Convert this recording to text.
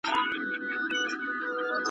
رډي سترګي یې زمري ته وې نیولي `